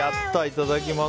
いただきます。